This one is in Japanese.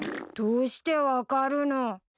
どうして分かるの？